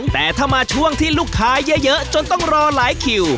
แต่ถ้ามาช่วงที่ลูกค้าเยอะจนต้องรอหลายคิว